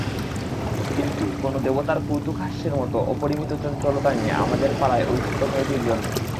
কিন্তু, কোন দেবতার কৌতুকহাস্যের মতো অপরিমিত চঞ্চলতা নিয়ে আমাদের পাড়ায় ঐ ছোটো মেয়েটির জন্ম।